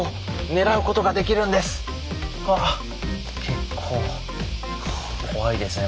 結構怖いですね